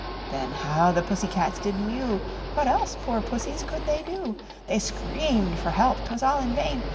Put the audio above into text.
Then how the pussy cats did mew What else, poor pussies, could they do? They screamed for help, 'twas all in vain!